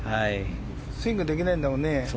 スイングできないんだもんね。